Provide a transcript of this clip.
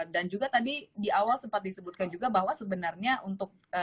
dan juga tadi di awal sempat disebutkan juga bahwa sebenarnya untuk